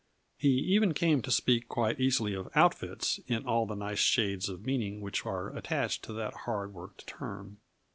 He even came to speak quite easily of "outfits" in all the nice shades of meaning which are attached to that hard worked term.